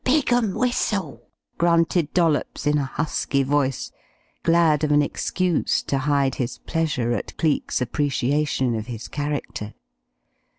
"'Pig and Whistle'," grunted Dollops in a husky voice, glad of an excuse to hide his pleasure at Cleek's appreciation of his character.